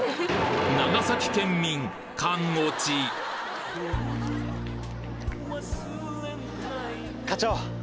長崎県民課長！